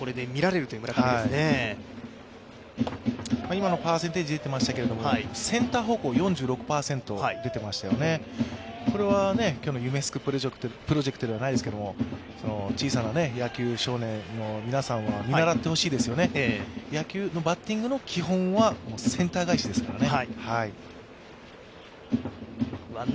今のパーセンテージで打っていましたけれども、センター方向４６％と出ていましたよね、これは今日の夢すくプロジェクトではないですけれども、小さな野球少年の皆さんは見習ってほしいですよね、バッティングの基本はセンター返しですからね。